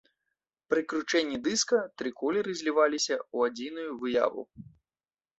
Пры кручэнні дыска тры колеры зліваліся ў адзіную выяву.